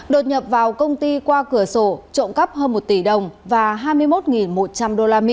đột nhập vào công ty qua cửa sổ trộm cắp hơn một tỷ đồng và hai mươi một một trăm linh usd